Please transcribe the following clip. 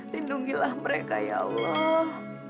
lindungilah mereka ya allah